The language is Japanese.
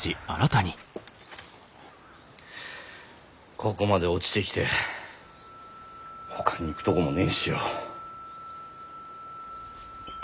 ここまで落ちてきてほかに行くとこもねえしよ。